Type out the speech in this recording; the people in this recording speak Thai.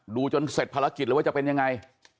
จนเสร็จภารกิจเลยว่าจะเป็นยังไง